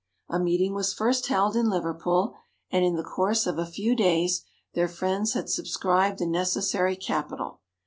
A meeting was first held in Liverpool, and in the course of a few days their friends had subscribed the necessary capital.